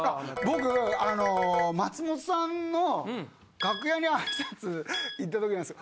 僕松本さんの楽屋に挨拶行った時なんですけど。